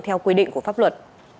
theo quy định của pháp luật